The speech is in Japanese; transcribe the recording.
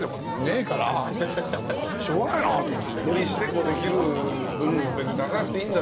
無理してできる部分を別に出さなくていいんだっていう。